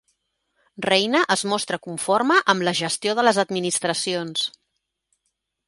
Reina es mostra conforme amb la gestió de les administracions.